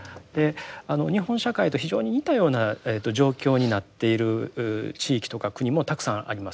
日本社会と非常に似たような状況になっている地域とか国もたくさんあります。